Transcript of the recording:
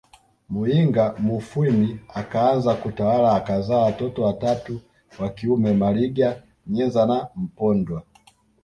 Muyinga mufwimi akaanza kutawala akazaa watoto watatu wa kiume Maliga Nyenza na Mpondwa